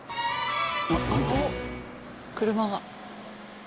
車が。